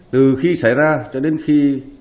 từ khi xảy ra cho đến khi